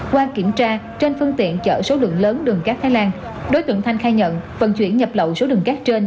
qua kiểm tra trên phương tiện chở số lượng lớn đường cắt thái lan đối tượng thanh khai nhận phần chuyển nhập lậu số đường cắt trên